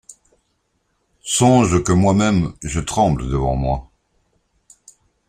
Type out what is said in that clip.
Songe que moi-même je tremble devant moi.